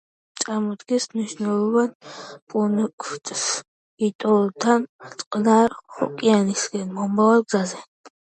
წარმოადგენს მნიშვნელოვან პუნქტს კიტოდან წყნარი ოკეანისკენ მიმავალ გზაზე.